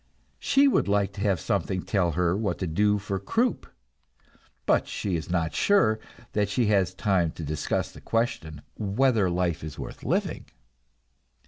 She would like to have somebody tell her what to do for croup, but she is not sure that she has time to discuss the question whether life is worth living.